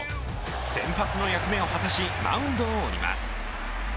先発の役目を果たしマウンドを降ります。